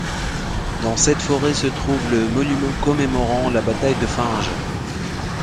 Dans cette forêt se trouve le monument commémorant la bataille de Finges.